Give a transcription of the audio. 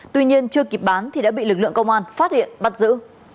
tuy nhiên chưa kịp bán thì đã bị lực lượng công an phát hiện bắt giữ